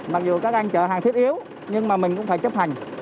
mặc dù các anh chở hàng thiết yếu nhưng mà mình cũng phải chấp hành